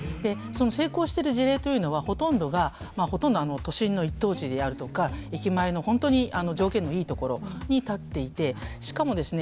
成功してる事例というのはほとんどが都心の一等地であるとか駅前の本当に条件のいいところに建っていてしかもですね